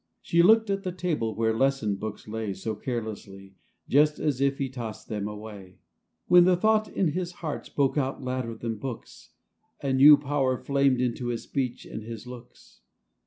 She looked at the table where lesson books lay So carelessly, just as he tossed them away, When the thought in his heart spoke out louder than books, And new power flamed into his speech and his looks.